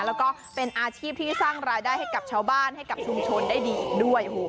แล้วก็เป็นอาชีพที่สร้างรายได้ให้กับชาวบ้านให้กับชุมชนได้ดีอีกด้วย